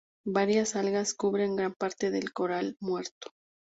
Varias algas cubren gran parte del coral muerto.